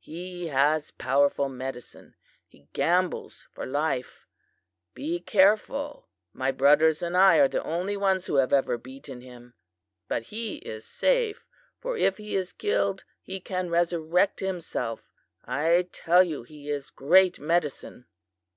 He has powerful medicine. He gambles for life; be careful! My brothers and I are the only ones who have ever beaten him. But he is safe, for if he is killed he can resurrect himself I tell you he is great medicine.